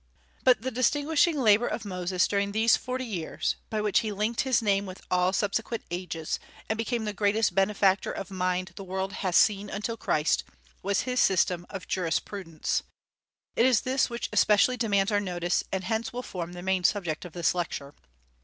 But the distinguishing labor of Moses during these forty years, by which he linked his name with all subsequent ages, and became the greatest benefactor of mind the world has seen until Christ, was his system of Jurisprudence. It is this which especially demands our notice, and hence will form the main subject of this lecture.